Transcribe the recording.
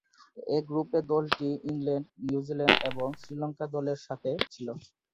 এ গ্রুপে দলটি England, New Zealand এবং শ্রীলঙ্কা দলের সাথে ছিল।